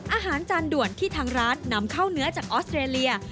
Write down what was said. อาจารย์ด่วนที่ทางร้านนำเข้าเนื้อจากออสเตรเลีย